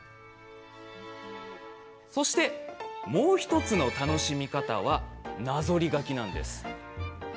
そして、もう１つの楽しみ方はなぞり書きです。